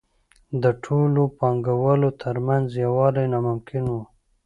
د ټولو پانګوالو ترمنځ یووالی ناممکن وو